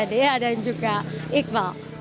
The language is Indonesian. dia dan juga iqbal